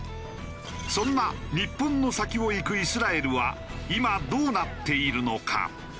そんな日本の先を行くイスラエルは今どうなっているのか？